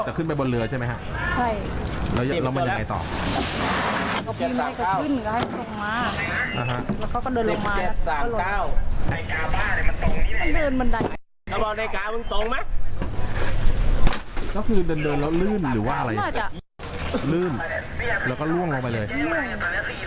ขึ้นแล้วก็ล่วงลงไปเลย